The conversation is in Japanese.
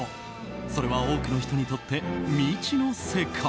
それは、多くの人にとって未知の世界。